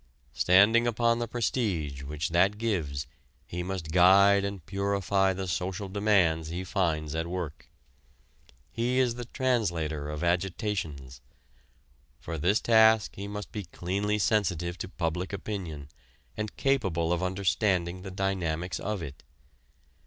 Standing upon the prestige which that gives he must guide and purify the social demands he finds at work. He is the translator of agitations. For this task he must be keenly sensitive to public opinion and capable of understanding the dynamics of it.